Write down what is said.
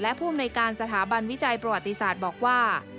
และผู้อำนวยการสถาบันวิจัยประวัติศาสตร์บอกว่า